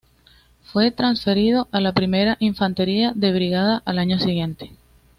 Fue transferido a la Primera Infantería de Brigada al año siguiente.